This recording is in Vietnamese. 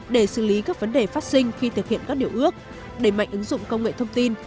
để xử lý các vấn đề phát sinh khi thực hiện các điều ước đẩy mạnh ứng dụng công nghệ thông tin